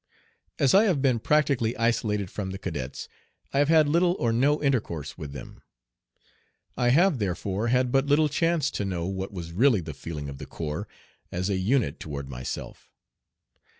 As I have been practically isolated from the cadets, I have had little or no intercourse with them. I have therefore had but little chance to know what was really the feeling of the corps as a unit toward myself.